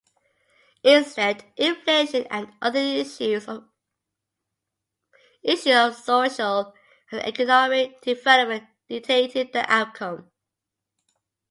Instead, inflation and other issues of social and economic development dictated the outcome.